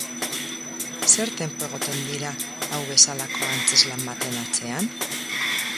Zer tempo egoten dira hau bezalako antzezlan baten atzean?